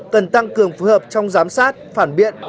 cần tăng cường phù hợp trong giám sát phản biện